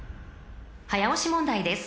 ［早押し問題です］